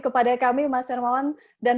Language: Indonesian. kepada kami mas hermawan dan